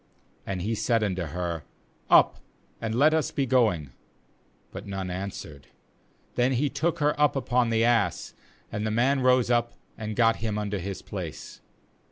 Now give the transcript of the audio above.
28And he said unto her: 'Up, and let us be going'; but none answered; then he took her up upon the ass; and the man rose up, and got him unto his place.